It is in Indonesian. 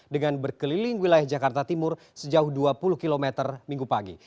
dengan berkeliling wilayah jakarta timur sejauh dua puluh km minggu pagi